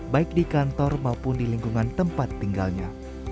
baik di kantor maupun di lingkungan tempat tinggalnya